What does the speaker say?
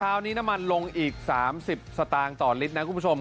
คราวนี้น้ำมันลงอีก๓๐สตางค์ต่อลิตรนะคุณผู้ชม